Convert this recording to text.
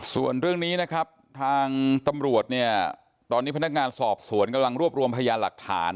ส่วนเรื่องนี้นะครับทางตำรวจเนี่ยตอนนี้พนักงานสอบสวนกำลังรวบรวมพยานหลักฐาน